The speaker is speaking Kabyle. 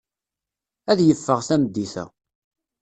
Ad yeffeɣ tameddit-a.